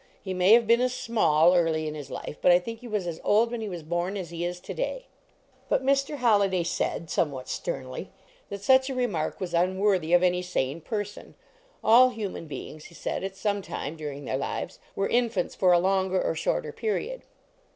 He may have been as small, early in his life, but I think he was as old when he was born ,s he is to day." But Mr. Holliday said, somewhat sternly, that such a remark was unworthy of any sane person; all human beings, he said, at some time during their lives were infants for a longer or shorter period.